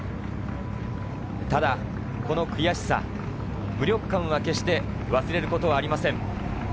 ただこの悔しさ、無力感は決して忘れることはありません。